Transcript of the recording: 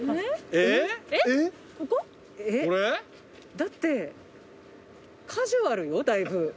だってカジュアルよだいぶ。